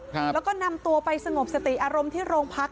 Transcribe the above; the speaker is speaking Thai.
ครับแล้วก็นำตัวไปสงบสติอารมณ์ที่โรงพัก